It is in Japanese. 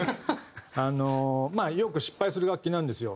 あのまあよく失敗する楽器なんですよ。